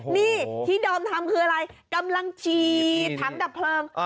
นี่ที่ดอมทำคืออะไรกำลังฉีดถังดับเพลิง